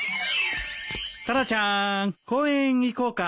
タラちゃん公園行こうか？